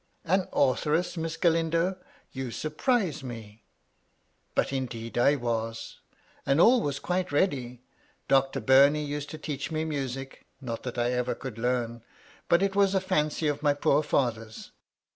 An authoress. Miss Galindo ! You surprise me !"" But, indeed, I was. All was quite ready. Doctor Bumey used to teach me music : not that I ever could learn, but it was a fancy of my poor father's.